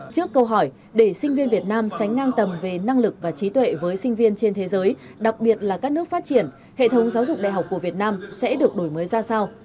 trước câu hỏi để sinh viên việt nam sánh ngang tầm về năng lực và trí tuệ với sinh viên trên thế giới đặc biệt là các nước phát triển hệ thống giáo dục đại học của việt nam sẽ được đổi mới ra sao